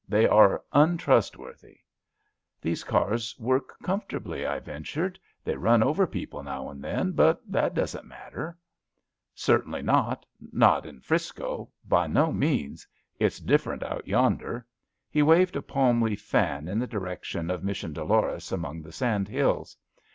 They are ontrustworthy.'* ^^ These cars work comfortably,'* I ventured. They run over people now and then, but that doesn't matter." 185 186 ABAFT THE FUNNEL Certainly not, not in 'Frisco — ^by no means. It's different out yonder." He waved a palm leaf fan in the direction of Mission Dolores among the sandhills.